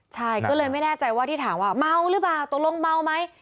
ใช่ก็เลยไม่แน่ใจว่าที่ถามว่าเมาหรือเปล่าตกลงเมาไหม